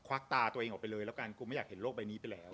วักตาตัวเองออกไปเลยแล้วกันกูไม่อยากเห็นโลกใบนี้ไปแล้ว